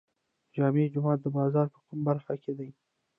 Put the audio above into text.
جامع جومات د بازار په کومه برخه کې دی؟